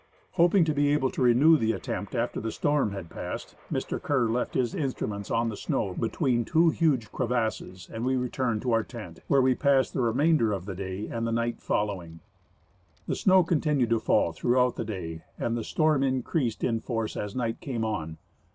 Hoping to be able to renew the attempt after the storm had passed, Mr. Kerr left his instruments on the snow between two huge crevasses and we returned to our tent, where we passed the remainder of the day and the night following. The snow continued to fall throughout the day, and the storm increased in force as night came on.